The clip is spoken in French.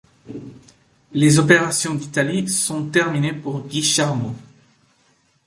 Les opérations d’Italie sont terminées pour Guy Charmot.